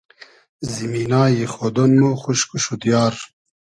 زیمینای خۉدۉن مۉ خوشک و شودیار